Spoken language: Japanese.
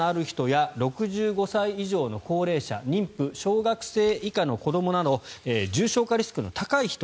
左側、基礎疾患のある人や６５歳以上の高齢者妊婦、小学生以下の子どもなど重症化リスクの高い人